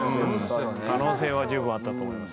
可能性は十分あったと思います。